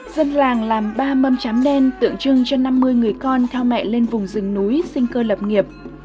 dân làng làm ba mâm chám đen tượng trưng cho năm mươi người con theo mẹ lên vùng rừng núi sinh cơ lập nghiệp